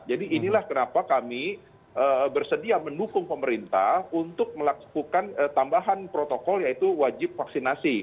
jadi inilah kenapa kami bersedia mendukung pemerintah untuk melakukan tambahan protokol yaitu wajib vaksinasi